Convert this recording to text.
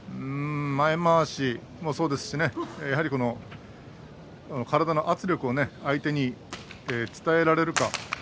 前まわしもそうですし体の圧力を相手に伝えられるか